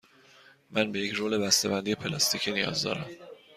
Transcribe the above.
من به یک رول بسته بندی پلاستیکی نیاز دارم.